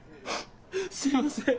すいません